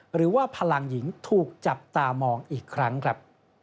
หรือว่าพลังหญิงถูกจับตามองอีกครั้งครับ